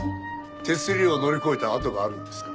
手すりを乗り越えた跡があるんですから。